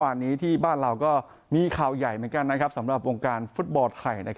ตอนนี้มีข่าวใหญ่สำหรับวงการฟุตบอล์ไทย